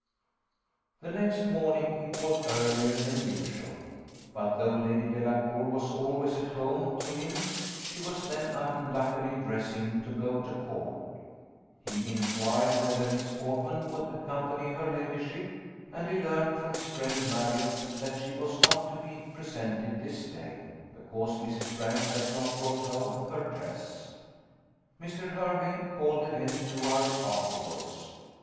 The next morning he called earlier than usual; but though Lady Delacour was always at home to him, she was then unluckily dressing to go to court: he inquired whether Miss Portman would accompany her ladyship, and he learnt from his friend Marriott that she was not to be presented this day, because Mrs. Franks had not brought home her dress. Mr. Hervey called again two hours afterwards.